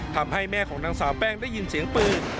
ทำให้แม่ของนางสาวแป้งได้ยินเสียงปืน